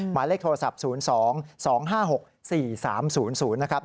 หมายเลขโทรศัพท์๐๒๒๕๖๔๓๐๐นะครับ